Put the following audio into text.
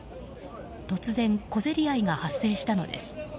突然、小競り合いが発生したのです。